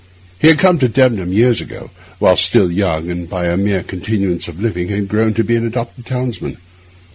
He had come to Debenham years ago, while still young, and by a mere continuance of living had grown to be an adopted townsman.